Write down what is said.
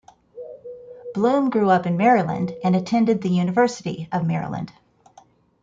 Blum grew up in Maryland and attended The University of Maryland.